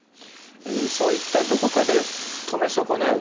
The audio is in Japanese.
そういったどこかで止め損なう。